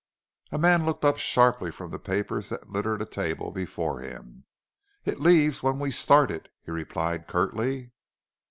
A man looked up sharply from the papers that littered a table before him. "It leaves when we start it," he replied, curtly.